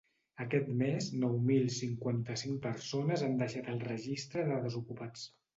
Aquest mes nou mil cinquanta-cinc persones han deixat el registre de desocupats.